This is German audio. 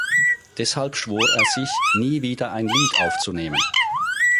Deshalb schwor er sich, nie wieder ein Lied aufzunehmen.